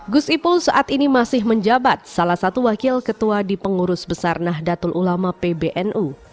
gus ipul saat ini masih menjabat salah satu wakil ketua di pengurus besar nahdlatul ulama pbnu